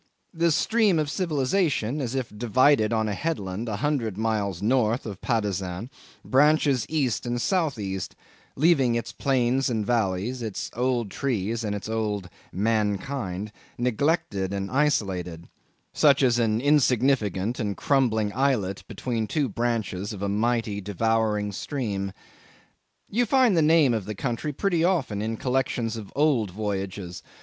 The stream of civilisation, as if divided on a headland a hundred miles north of Patusan, branches east and south east, leaving its plains and valleys, its old trees and its old mankind, neglected and isolated, such as an insignificant and crumbling islet between the two branches of a mighty, devouring stream. You find the name of the country pretty often in collections of old voyages.